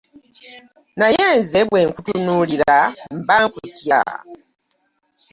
Naye nze bwe nkutunuuira mba nkutya.